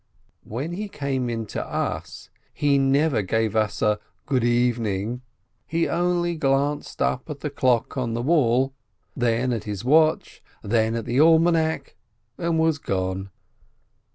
When he came in to us, he never gave us a "good evening," only glanced up at the clock on the wall, then at his watch, then at the almanac, and was gone